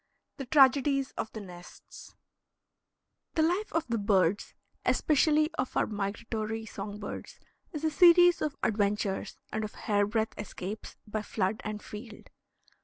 THE TRAGEDIES OF THE NESTS The life of the birds, especially of our migratory song birds, is a series of adventures and of hair breadth escapes by flood and field.